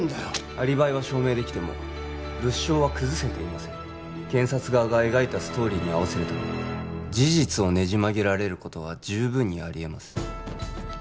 アリバイは証明できても物証は崩せていません検察側が描いたストーリーに合わせるため事実をねじ曲げられることは十分にありえます